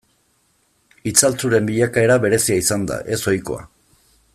Itzaltzuren bilakaera berezia izan da, ez ohikoa.